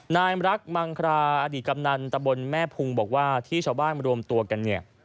นายหมาลักหมางคราอดีตกำเนนตำบลแม่ภูมิบอกว่าที่ชาวบ้านรวมตัวกัน